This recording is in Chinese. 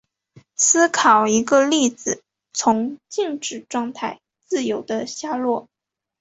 思考一个粒子从静止状态自由地下落。